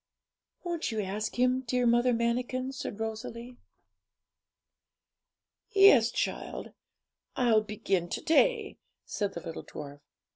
'Won't you ask Him, dear Mother Manikin?' said Rosalie. 'Yes, child; I'll begin to day,' said the little dwarf.